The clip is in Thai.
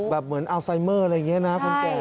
เหมือนอัลไซเมอร์อะไรอย่างนี้นะคนแก่